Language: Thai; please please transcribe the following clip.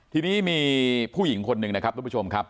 ทีนี้มีผู้หญิงคนหนึ่งนะครับทุกผู้ชมครับ